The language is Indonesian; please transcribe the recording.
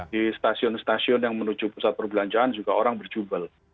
di stasiun stasiun yang menuju pusat perbelanjaan juga orang berjubel